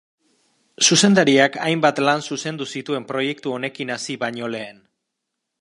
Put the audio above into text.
Zuzendariak hainbat lan zuzendu zituen proiektu honekin hasi baino lehen.